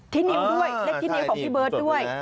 นิ้วด้วยเลขที่นิ้วของพี่เบิร์ตด้วย